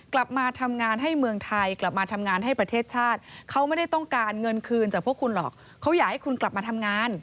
กลับมาทำงานให้เมืองไทยกลับมาทำงานให้ประเทศชาติเขาไม่ได้ต้องการเงินคืนจากพวกคุณหรอกเขาอยากให้คุณกลับมาทำงาน